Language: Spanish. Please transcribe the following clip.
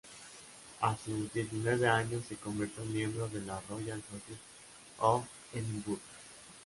A sus diecinueve años se convirtió en miembro de la Royal Society of Edinburgh.